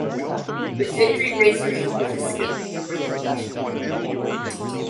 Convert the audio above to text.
The victory raised their hope of escaping the relegation.